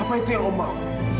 apa itu yang allah mau